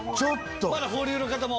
まだ保留の方も。